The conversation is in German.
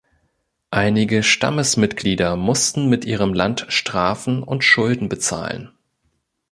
Einige Stammesmitglieder mussten mit ihrem Land Strafen und Schulden bezahlen.